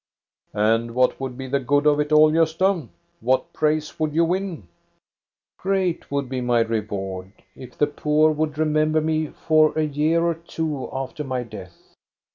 "And what would be the good of it all, Gosta? What praise would you win ?"Great would be my reward if the poor would remember me for a year or two after my death.